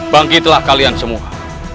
bangkitlah kalian semua